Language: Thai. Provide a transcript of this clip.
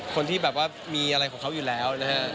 คนที่แบบว่ามีอะไรของเขาอยู่แล้วนะฮะ